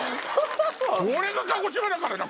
これが鹿児島だからな！